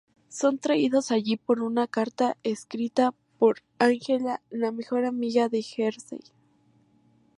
Son traídos allí por una carta escrita por Angela, la mejor amiga de Hershel.